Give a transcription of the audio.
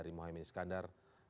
akhirnya mundurkan diri